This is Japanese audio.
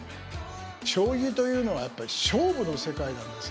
将棋というのはやっぱり勝負の世界なんですね。